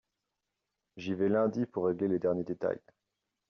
J’y vais lundi pour régler les derniers détails.